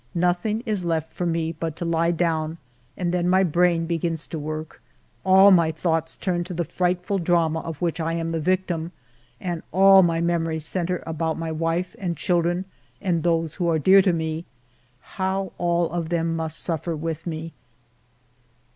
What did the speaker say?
Nothing is left for me but to lie down, and then my brain begins to work ; all my thoughts turn to the frightflil drama of which I am the victim, and all my memories centre about my wife and children and those who are dear to me. How all of them must suffer with me